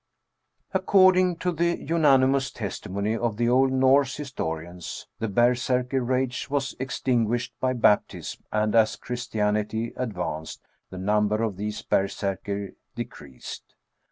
* According to the unanimous testimony of the old Norse historians, the berserkr rage was extinguished by baptism, and as Christianity advanced, the number of these berserkir decreased.